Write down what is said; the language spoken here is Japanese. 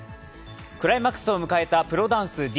クライマックスを迎えたプロダンス、Ｄ．ＬＥＡＧＵＥ。